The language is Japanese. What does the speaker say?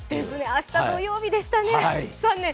明日、土曜日でしたね、残念！